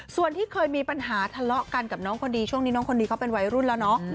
ส่วนที่เคยมีปัญหาทะเลาะกันกับน้องคนดีช่วงนี้น้องคนนี้เขาเป็นวัยรุ่นแล้วเนาะ